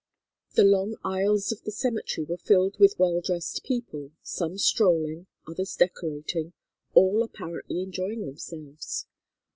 The long aisles of the cemetery were filled with well dressed people, some strolling, others decorating, all apparently enjoying themselves.